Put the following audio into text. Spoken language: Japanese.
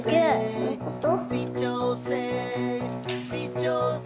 そういうこと？